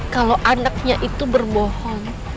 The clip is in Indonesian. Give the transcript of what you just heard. kalau anaknya itu berbohong